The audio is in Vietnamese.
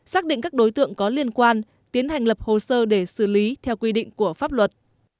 xác định các đối tượng có liên quan tiến hành lập hồ sơ để xử lý theo quy định của pháp luật